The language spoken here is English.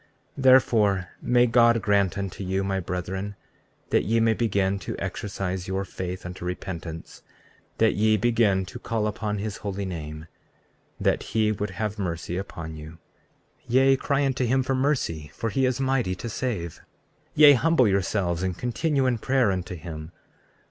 34:17 Therefore may God grant unto you, my brethren, that ye may begin to exercise your faith unto repentance, that ye begin to call upon his holy name, that he would have mercy upon you; 34:18 Yea, cry unto him for mercy; for he is mighty to save. 34:19 Yea, humble yourselves, and continue in prayer unto him.